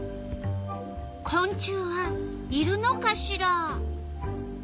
こん虫はいるのかしら？